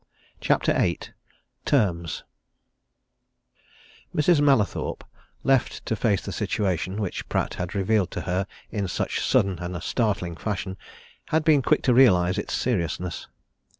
CHAPTER VIII TERMS Mrs. Mallathorpe, left to face the situation which Pratt had revealed to her in such sudden and startling fashion, had been quick to realize its seriousness.